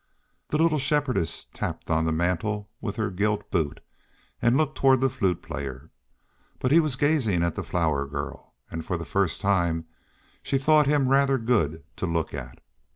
The little Shepherdess tapped on the mantel with her gilt boot and looked toward the Flute Player. But he was gazing at the Flower Girl, and for the first time she thought him rather good to look at.